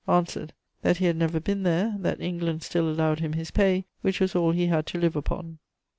Answered: That he had never been there; that England still allowed him his pay, which was all he had to live upon.